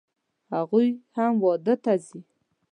هغوی هم واده ته راځي